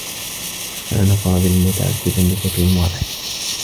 كان فاضل متعسّفا بشكل واضح.